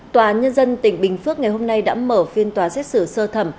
tòa nhân dân tỉnh bình phước ngày hôm nay đã mở phiên tòa xét xử sơ thẩm